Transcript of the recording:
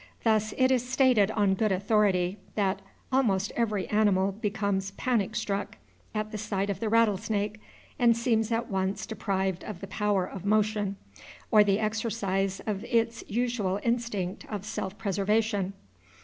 Thus, it is stated on good authority that "almost every animal becomes panic struck at the sight of the rattlesnake, and seems at once deprived of the power of motion, or the exercise of its usual instinct of self preservation."